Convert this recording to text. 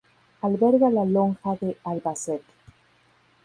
Alberga la Lonja de Albacete.